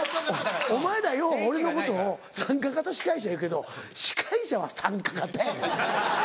お前らよう俺のことを参加型司会者いうけど司会者は参加型やねん！